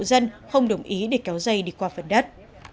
dân không đồng ý để kéo dây đi qua phần đất